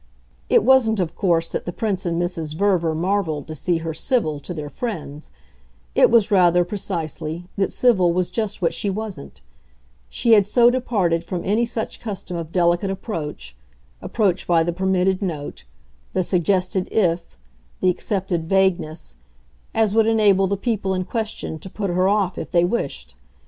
It wasn't of course that the Prince and Mrs. Verver marvelled to see her civil to their friends; it was rather, precisely, that civil was just what she wasn't: she had so departed from any such custom of delicate approach approach by the permitted note, the suggested "if," the accepted vagueness as would enable the people in question to put her off if they wished.